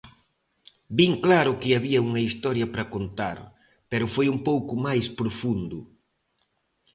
Vin claro que había unha historia para contar, pero foi un pouco máis profundo.